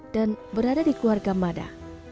dan berada di keluarga mana